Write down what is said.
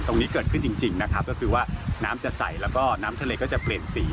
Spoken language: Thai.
ตรงนี้เกิดขึ้นจริงนะครับก็คือว่าน้ำจะใสแล้วก็น้ำทะเลก็จะเปลี่ยนสี